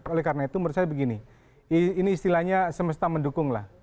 oleh karena itu menurut saya begini ini istilahnya semesta mendukung lah